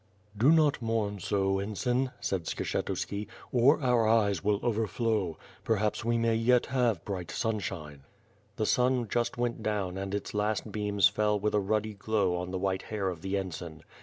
"Do not mourn so, ensign," said Skshetuski, "or our eyes will overflow. Perhaps we may yet have bright sunshine." The sun just went down and its last beams fell with a ruddy glow on the white hair of the ensign.